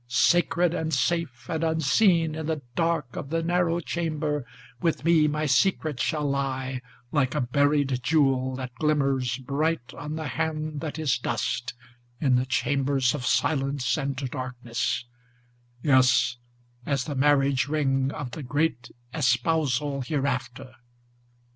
Sacred and safe and unseen, in the dark of the narrow chamber With me my secret shall lie, like a buried jewel that glimmers Bright on the hand that is dust, in the chambers of silence and darkness, Yes, as the marriage ring of the great espousal hereafter!"